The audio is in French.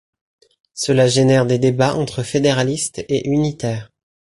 Cela génère des débats entre fédéralistes et unitaires.